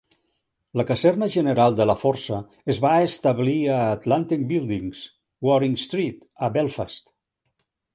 La caserna general de la força es va establir a Atlantic Buildings, Waring Street, a Belfast.